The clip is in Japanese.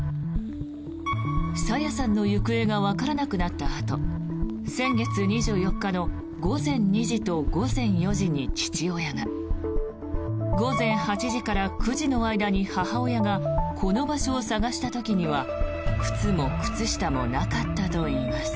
朝芽さんの行方がわからなくなったあと先月２４日の午前２時と午前４時に父親が午前８時から９時の間に母親がこの場所を探した時には靴も靴下もなかったといいます。